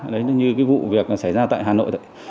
đấy như vụ việc xảy ra tại hà nội